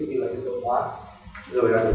rồi là những người di chuyển công nghệ